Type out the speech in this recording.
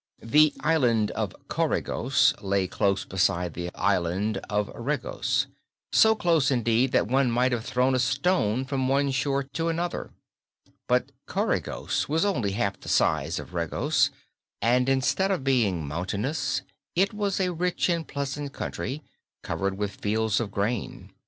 The Island of Coregos lay close beside the Island of Regos; so close, indeed, that one might have thrown a stone from one shore to another. But Coregos was only half the size of Regos and instead of being mountainous it was a rich and pleasant country, covered with fields of grain.